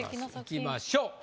いきましょう。